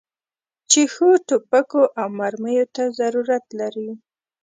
چې ښو توپکو او مرمیو ته ضرورت لري.